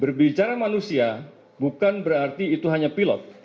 berbicara manusia bukan berarti itu hanya pilot